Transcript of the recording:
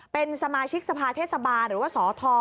เป็นสมาชิกสภาเทศบาลหรือว่าสท